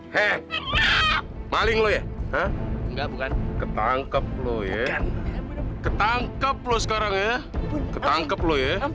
hai maling lo ya enggak bukan ketangkep lo ya ketangkep lo sekarang ya ketangkep lo ya